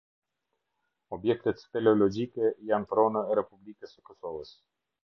Objektet speleologjike janë pronë e Republikës së Kosovës.